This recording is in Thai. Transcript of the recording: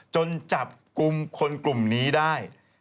จนจับกลุ่มคนกลุ่มนี้ได้